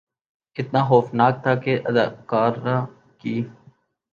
اتنا خوفناک تھا کہ اداکارہ کی